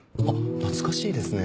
懐かしいですね